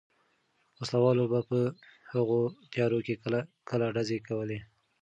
وسله والو به په هغو تیارو کې کله کله ډزې کولې.